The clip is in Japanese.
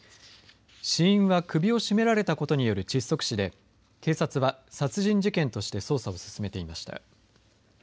死因は首を絞められたことによる窒息死で、警察は殺人事件として捜査を進めていました。